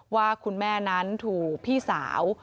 ว่าคุณแม่นั้นถูกพี่สาว